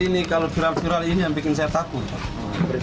ini kalau viral viral ini yang bikin saya takut